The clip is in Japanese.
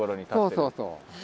そうそうそう。